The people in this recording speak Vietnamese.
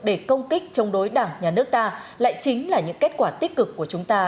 để công kích chống đối đảng nhà nước ta lại chính là những kết quả tích cực của chúng ta